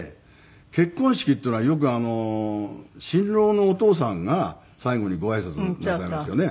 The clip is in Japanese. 結婚式っていうのはよく新郎のお父さんが最後にごあいさつなさいますよね。